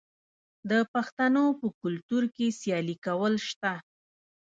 د پښتنو په کلتور کې سیالي کول شته.